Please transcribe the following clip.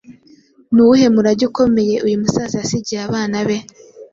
Ni uwuhe murage ukomeye uyu musaza yasigiye abana be?